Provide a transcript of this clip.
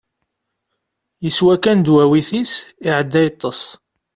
Yeswa kan ddwawit-is, iɛedda yeṭṭes.